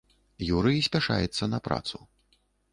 Юрый спяшаецца на працу.